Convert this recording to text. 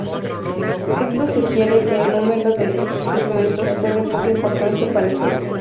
Esto sugiere que el número de segmentos fue de poca importancia para el juego.